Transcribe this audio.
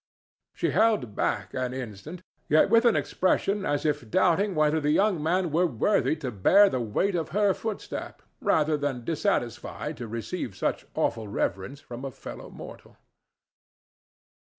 She held back an instant, yet with an expression as if doubting whether the young man were worthy to bear the weight of her footstep rather than dissatisfied to receive such awful reverence from a fellow mortal.